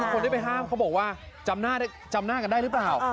คนที่ไปห้ามเขาบอกว่าจำหน้ากันได้หรือเปล่า